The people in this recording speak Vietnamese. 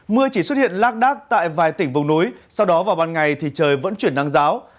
mưa chỉ xuất hiện lác đác tại vài tỉnh vùng núi sau đó vào ban ngày thì trời vẫn chuyển nắng giáo